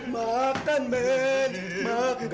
makan men makan